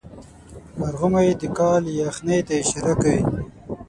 مرغومی د کال یخنۍ ته اشاره کوي.